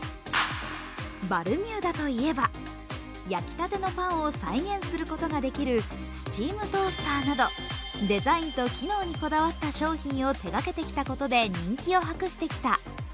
バルミューダといえば、焼きたてのパンを再現することができるスチームトースターなどデザインと機能にこだわった商品を手がけてきたことで人気を博してきた。